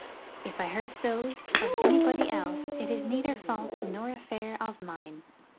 If I hurt those of anybody else it is neither fault nor affair of mine.